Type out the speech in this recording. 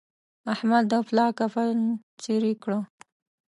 احمد دا پلا کفن څيرې کړ.